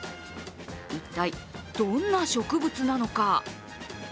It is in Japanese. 一体、どんな植物なのか。